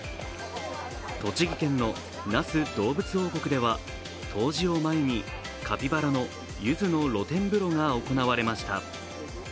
栃木県の那須どうぶつ王国では冬至を前にカピバラのゆずの露天風呂が行われました。